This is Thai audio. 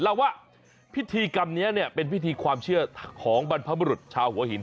เล่าว่าพิธีกรรมนี้เนี่ยเป็นพิธีความเชื่อของบรรพบรุษชาวหัวหิน